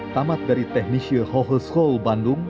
tamat dari teknisi hoheskul bandung